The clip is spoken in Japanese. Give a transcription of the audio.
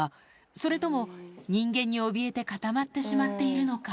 それとも人間におびえて固まってしまっているのか？